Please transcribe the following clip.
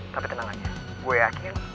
tapi tenang aja gue yakin